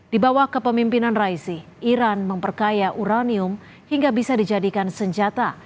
di bawah kepemimpinan raisi iran memperkaya uranium hingga bisa dijadikan senjata